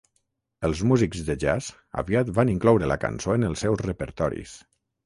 Els músics de jazz aviat van incloure la cançó en els seus repertoris.